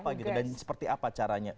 apa gitu dan seperti apa caranya